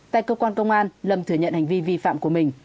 tại cơ quan công an lâm thừa nhận hành vi vi phạm của mình